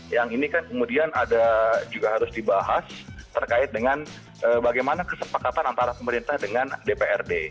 yang ini kan kemudian ada juga harus dibahas terkait dengan bagaimana kesepakatan antara pemerintah dengan dprd